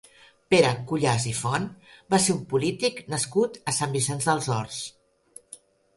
Pere Cuyàs i Font va ser un polític nascut a Sant Vicenç dels Horts.